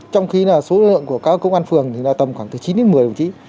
trong khi là số lượng của các công an phường thì là tầm khoảng từ chín đến một mươi đồng chí